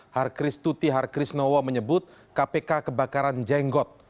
harkristuti harkrisnowo menyebut kpk kebakaran jenggot